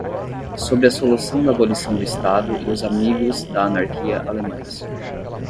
Sobre a solução da abolição do Estado e os “amigos da anarquia” alemães